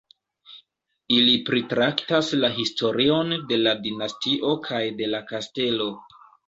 Ili pritraktas la historion de la dinastio kaj de la kastelo.